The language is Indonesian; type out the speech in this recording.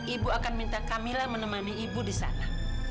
ibu akan minta kamila menemani ibu disana